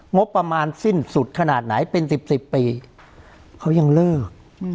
งบประมาณสิ้นสุดขนาดไหนเป็นสิบสิบปีเขายังเลิก